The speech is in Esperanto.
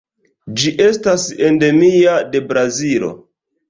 Ĝi estas endemia de Brazilo.